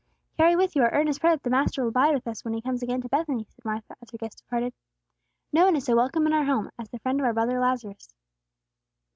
"Carry with you our earnest prayer that the Master will abide with us when He comes again to Bethany," said Martha, as her guests departed. "No one is so welcome in our home, as the friend of our brother Lazarus."